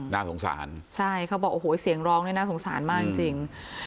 น่าสงสารใช่เขาบอกโอ้โหเสียงร้องนี่น่าสงสารมากจริง